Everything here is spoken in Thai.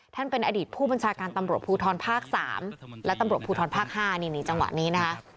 ท่านเป็นอดีตผู้บัญชาการตำรวจภูทรภาค๓และตำรวจภูทรภาค๕นี่จังหวะนี้นะคะ